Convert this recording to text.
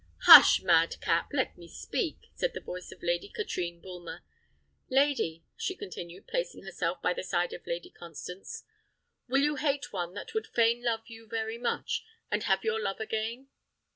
"Hush, mad cap! let me speak!" said the voice of Lady Katrine Bulmer. "Lady," she continued, placing herself by the side of Lady Constance, "will you hate one that would fain love you very much, and have your love again?"